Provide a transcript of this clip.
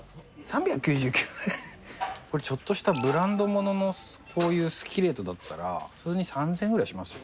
これちょっとしたブランドもののこういうスキレットだったら普通に３０００円ぐらいしますよ。